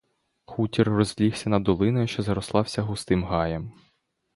Хутір розлігся над долиною, що заросла вся густим гаєм.